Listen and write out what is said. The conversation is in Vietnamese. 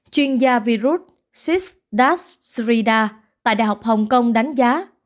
chuyên gia virus sysdash sridhar tại đại học hồng kông đánh giá